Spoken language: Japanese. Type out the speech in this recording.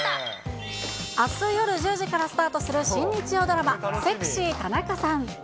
あす夜１０時からスタートする新日曜ドラマ、セクシー田中さん。